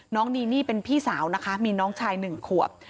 นีนี่เป็นพี่สาวนะคะมีน้องชาย๑ขวบ